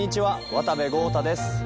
渡部豪太です。